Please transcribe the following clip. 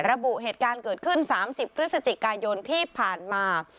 ระบุเหตุการณ์เกิดขึ้น๓๐พฤศจิกายนที่ผ่านมา